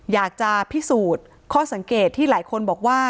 อยากจะพิสูจน์ข้อสังเกตที่หลายคนบอกว่า